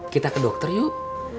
kita ke dokter yuk